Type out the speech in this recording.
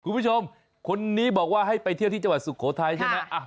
คุณผู้ชมคนนี้บอกว่าให้ไปเที่ยวที่จังหวัดสุโขทัยใช่ไหม